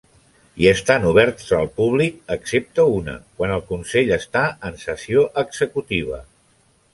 I estan oberts al públic, excepte una, quan el Consell està en sessió executiva.